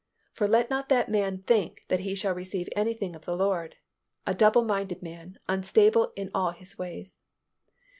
For let not that man think that he shall receive anything of the Lord; a double minded man, unstable in all his ways."